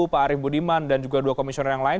pak arief budiman dan juga dua komisioner yang lain